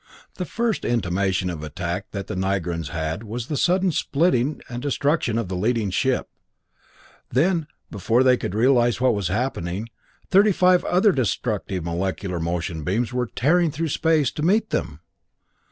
The first intimation of attack that the Nigrans had was the sudden splitting and destruction of the leading ship. Then, before they could realize what was happening, thirty five other destructive molecular motion beams were tearing through space to meet them!